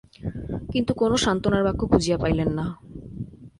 কিন্তু কোনো সান্ত্বনার বাক্য খুঁজিয়া পাইলেন না।